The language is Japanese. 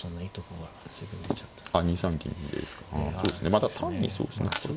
まあ単にそうですね。